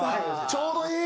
ちょうどいい。